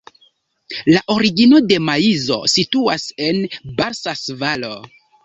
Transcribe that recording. La origino de maizo situas en Balsas-Valo.